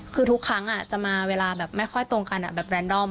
คือทุกครั้งจะมาเวลาแบบไม่ค่อยตรงกันแบบแรนดอม